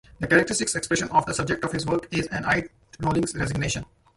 The characteristic expression of the subjects of his work is an eyed rolling resignation.